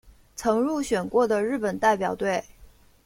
曾入选过的日本代表队。